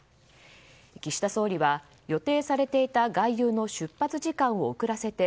岸田総理は予定されていた外遊の出発時間を遅らせて